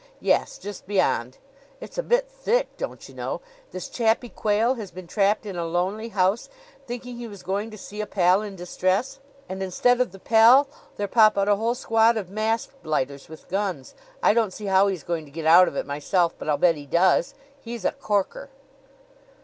"Yes; just beyond. It's a bit thick, don't you know! This chappie Quayle has been trapped in a lonely house, thinking he was going to see a pal in distress; and instead of the pal there pop out a whole squad of masked blighters with guns. I don't see how he's going to get out of it, myself; but I'll bet he does. He's a corker!"